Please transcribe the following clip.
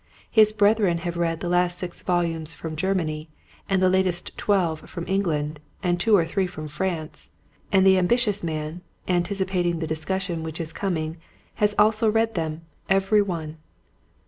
His brethren have read the last six volumes from Germany and the latest twelve from England and two or three from France, and the ambitious man, anticipating the discussion which is com ing has also read them every one.